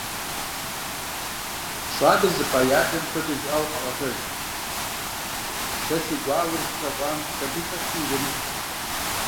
ЩӀалэр зыпӀа и адэм мыпхуэдэу жиӀауэ къаӀуэтэж: «Сэ си гуауэр зылъэгъуам сабий къихьу иремыпӀ».